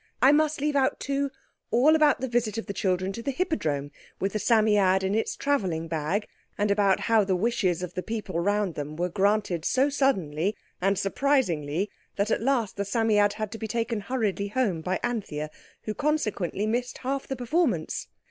I must leave out, too, all about the visit of the children to the Hippodrome with the Psammead in its travelling bag, and about how the wishes of the people round about them were granted so suddenly and surprisingly that at last the Psammead had to be taken hurriedly home by Anthea, who consequently missed half the performance.